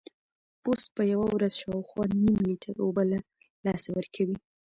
پوست په یوه ورځ شاوخوا نیم لیټر اوبه له لاسه ورکوي.